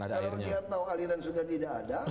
kalau dia tahu aliran sudah tidak ada